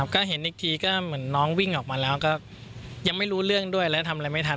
ก็เห็นอีกทีก็เหมือนน้องวิ่งออกมาแล้วก็ยังไม่รู้เรื่องด้วยแล้วทำอะไรไม่ทัน